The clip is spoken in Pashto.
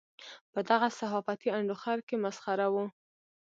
په دغه صحافتي انډوخر کې مسخره وو.